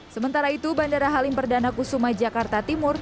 sementara itu bandara halim perdana kusuma jakarta timur